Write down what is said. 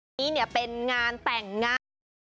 อันนี้เป็นงานแต่งงาน